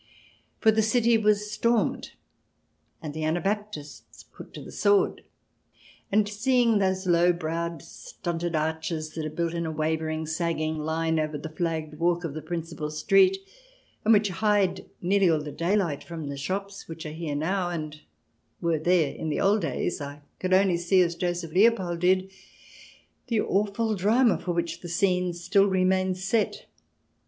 For the city was stormed and the Anabaptists put to the sword. And, seeing those low browed stunted arches that are built in a wavering, sagging line over the flagged walk of the principal street, and which hide nearly all the daylight from the shops which are here now and were there in the old days, I could only see, as Joseph Leopold did, the awful drama for which the scene still remains set.